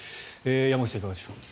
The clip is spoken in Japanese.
山口さん、いかがでしょう。